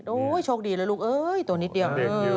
โอ้ยโชคดีละลูกเฮ้ยตัวนี้เดียว